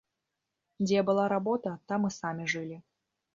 Дзе была работа, там і самі жылі.